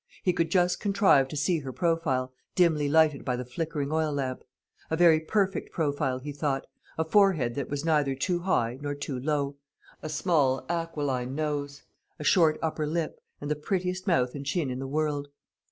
He could just contrive to see her profile, dimly lighted by the flickering oil lamp; a very perfect profile, he thought; a forehead that was neither too high nor too low, a small aquiline nose, a short upper lip, and the prettiest mouth and chin in the world.